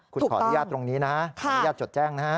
คุณขออนุญาตตรงนี้นะขออนุญาตจดแจ้งนะฮะ